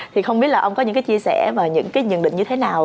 thì không biết là ông có những cái chia sẻ và những cái nhận định như thế nào